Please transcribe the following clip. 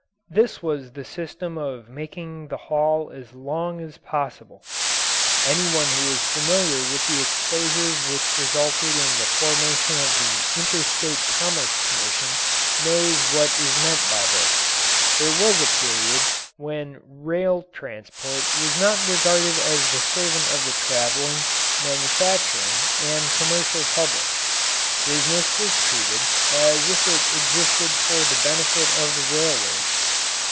This was the system of making the haul as long as possible. Any one who is familiar with the exposures which resulted in the formation of the Interstate Commerce Commission knows what is meant by this. There was a period when rail transport was not regarded as the servant of the traveling, manufacturing, and commercial publics. Business was treated as if it existed for the benefit of the railways.